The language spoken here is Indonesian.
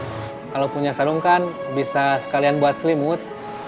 kalau punya sarung kan bisa sekalian buat selimut